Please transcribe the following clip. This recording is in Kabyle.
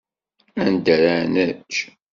Anda ara nečč?